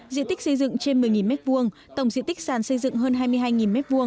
diện tích xây dựng trên một mươi m hai tổng diện tích sàn xây dựng hơn hai mươi hai m hai